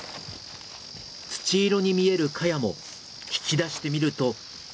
土色に見えるカヤも引き出してみると黄金色。